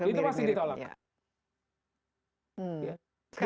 itu pasti ditolak